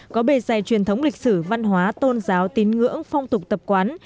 có bề dày truyền thống lịch sử văn hóa tôn giáo tín ngưỡng phong tục tập quán